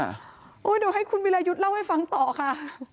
เดี๋ยวให้คุณวิรายุทธ์เล่าให้ฟังต่อค่ะ